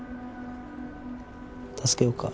助けようか？